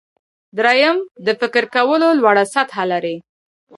دریم د فکر کولو لوړه سطحه لري.